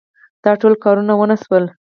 دا ټوله کارونه ونه شول.